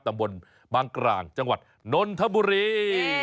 ตำบลบางกลางจังหวัดนนทบุรี